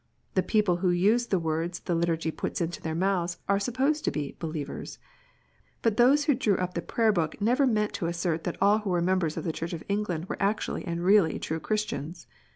The people who use the words the Liturgy puts into their mouths, are supposed to be believers. But those who drew up the Prayer book never meant to assert that all who were. members of the Church of England were actually and really true Christians.